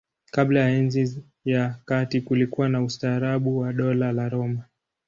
Kabla ya Enzi ya Kati kulikuwa na ustaarabu wa Dola la Roma.